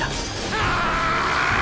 ああ！